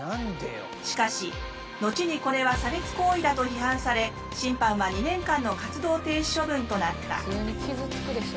しかし後にこれは差別行為だと批判され審判は２年間の活動停止処分となった。